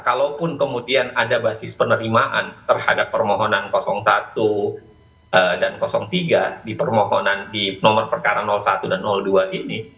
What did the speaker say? kalaupun kemudian ada basis penerimaan terhadap permohonan satu dan tiga di permohonan di nomor perkara satu dan dua ini